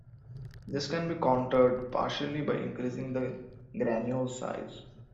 This can be countered partially by increasing the granule size.